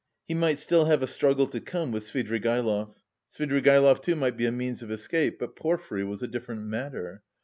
He might still have a struggle to come with Svidrigaïlov. Svidrigaïlov, too, might be a means of escape; but Porfiry was a different matter.